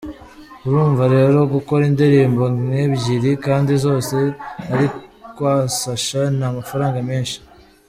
Urumva rero gukora indirimbo nk’ebyiri kandi zose ari kwa Sacha ni amafaranga menshi.